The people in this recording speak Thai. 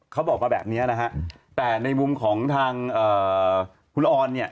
เขาบอกมาแบบนี้นะฮะแต่ในมุมของทางคุณออนเนี่ย